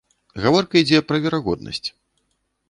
Гаворка ідзе пра верагоднасць.